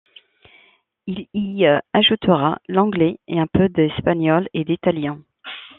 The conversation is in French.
Il y ajoutera l'anglais et un peu d'espagnol et d'italien.